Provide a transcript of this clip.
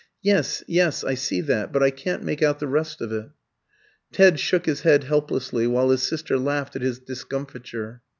"Yes, yes, I see that; but I can't make out the rest of it." Ted shook his head helplessly, while his sister laughed at his discomfiture.